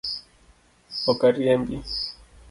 Ok a riembi.